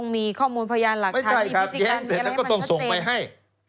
ไม่ใช่แย้งเสร็จแล้วก็ต้องส่งไปให้